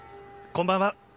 こんばんは。